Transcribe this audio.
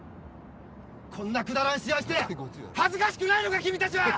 こんなくだらん試合して恥ずかしくないのか君たちは！